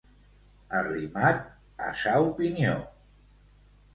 Arrimat a sa opinió.